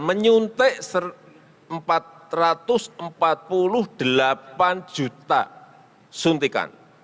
menyuntik empat ratus empat puluh delapan juta suntikan